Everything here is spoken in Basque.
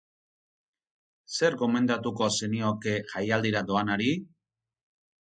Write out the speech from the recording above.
Zer gomendatuko zenioke jaialdira doanari?